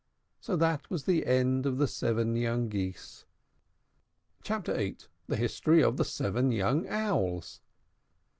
So that was the end of the seven young Geese. CHAPTER VIII. THE HISTORY OF THE SEVEN YOUNG OWLS.